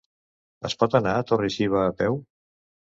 Es pot anar a Torre-xiva a peu?